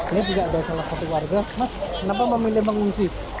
ini juga ada salah satu warga mas kenapa memilih mengungsi